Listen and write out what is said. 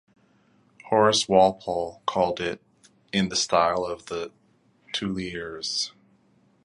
Horace Walpole called it "in the style of the Tuileries".